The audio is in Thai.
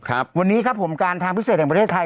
ครับวันนี้ครับผมการทางพิเศษแห่งประเทศไทย